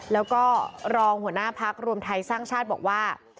แล้วก็รองหัวหน้าพักรวมไทยสร้างชาติบอกว่า